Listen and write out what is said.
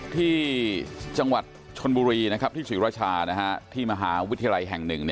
ที่จังหวัดชนบุรีที่ศรีราชาที่มหาวิทยาลัยแห่ง๑